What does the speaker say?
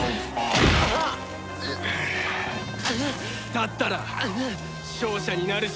だったら勝者になるしかない！